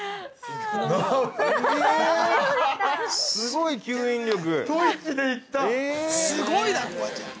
◆すごい吸引力。